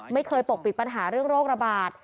ปกปิดปัญหาเรื่องโรคระบาด